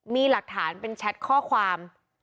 มีหลักฐานเป็นแชทข้อความ